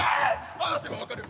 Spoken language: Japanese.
話せば分かる。